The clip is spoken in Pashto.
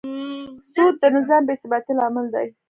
سود د نظام بېثباتي لامل دی.